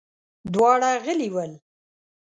دواړه غلي ول.